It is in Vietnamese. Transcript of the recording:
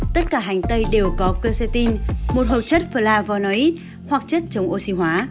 tất cả hành tây đều có quercetin một hộp chất flavonoid hoặc chất chống oxy hóa